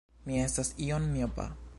Mi estas iom miopa.